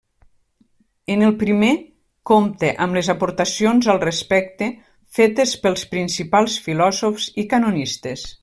En el primer compta amb les aportacions al respecte fetes pels principals filòsofs i canonistes.